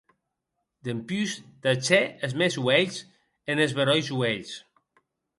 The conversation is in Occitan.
Dempús tachè es mèns uelhs enes beròis uelhs.